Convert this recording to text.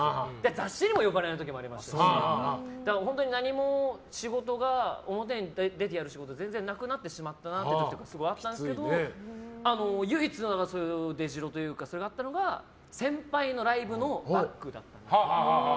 雑誌にも呼ばれない時ありましたのでだから、本当に表に出てやる仕事が全然なくなってしまったなって時もあったんですけど唯一出しろだったのが先輩のライブのバックだったんです。